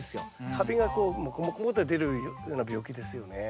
カビがこうモコモコって出るような病気ですよね。